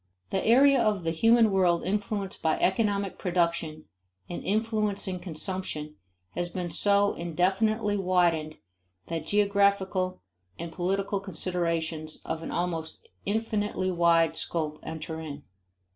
The area of the human world influenced by economic production and influencing consumption has been so indefinitely widened that geographical and political considerations of an almost infinitely wide scope enter in.